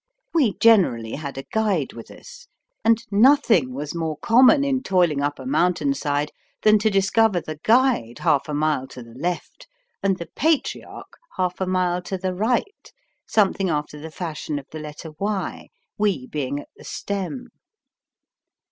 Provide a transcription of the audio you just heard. We generally had a guide with us, and nothing was more common in toiling up a mountain side than to discover the guide half a mile to the left and the Patriarch half a mile to the right, something after the fashion of the letter Y, we being at the stem.